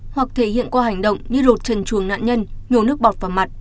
hoặc thể hiện qua hành động như lột trần chuồng nạn nhân nhổ nước bọt vào mặt